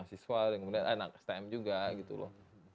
mahasiswa anak stm juga gitu loh